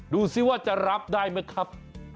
ดูซิว่าจะรับได้มั้ยครับ